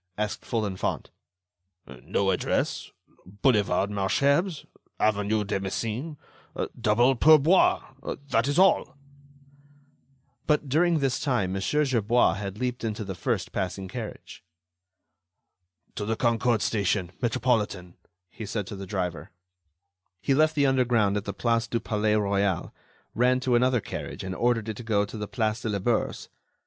asked Folenfant. "No address. 'Boulevard Malesherbes ... avenue de Messine ... double pourboire.' That is all." But, during this time, Mon. Gerbois had leaped into the first passing carriage. "To the Concorde station, Metropolitan," he said to the driver. He left the underground at the Place du Palais Royal, ran to another carriage and ordered it to go to the Place de la Bourse.